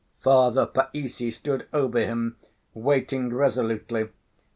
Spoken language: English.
Father Païssy stood over him, waiting resolutely.